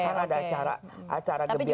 karena ada acara acara gebiarnya